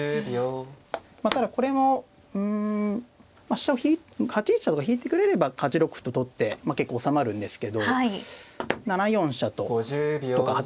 まあただこれもうん８一飛車とか引いてくれれば８六歩と取って結構収まるんですけど７四飛車とか８五飛車か。